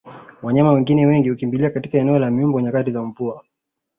Wanyama wengine wengi hukimbilia katika eneo la miombo nyakati za mvua